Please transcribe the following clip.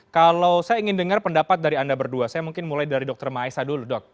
kalau saya ingin dengar pendapat dari anda berdua saya mungkin mulai dari dr maesa dulu dok